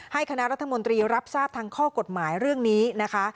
คณะรัฐมนตรีรับทราบทางข้อกฎหมายเรื่องนี้นะคะ